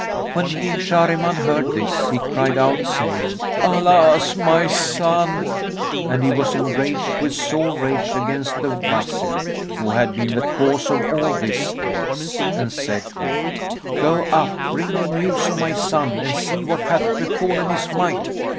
When King Shahriman heard this, he cried out, saying, "Alas, my son!;" and he was enraged with sore rage against the Wazir, who had been the cause of all this case and said to him, "Go up, bring me news of my son and see what hath befallen his mind."